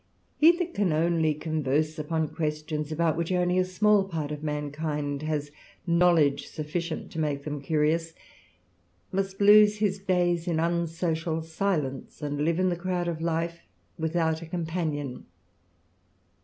He that can only con verse upon questions, about which only a small part of nnankind has knowledge sufficient <o make them curious, nnust lose his days in unsocial silence, and live in the crowd o^ life without a companion.